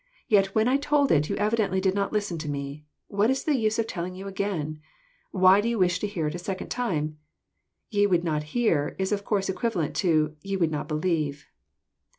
Yet when I told it, you evidently did not listen to me. What is the use of telling it again ? Why do you want to hear it a second time ?"*' Ye would not hear " is of course equivalent to ye would not believe."